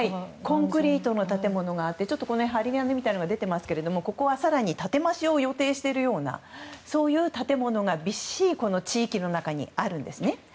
コンクリートの建物があって針金が出ていますけど建て増しを予定しているようなそういう建物がびっしり地域の中にあるんですね。